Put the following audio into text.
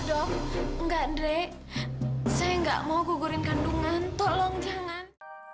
dok enggak dre saya nggak mau gugurin kandungan tolong jangan